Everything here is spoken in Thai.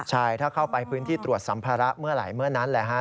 ใช่ถ้าเข้าไปพื้นที่ตรวจสัมภาระเมื่อไหร่เมื่อนั้นแหละฮะ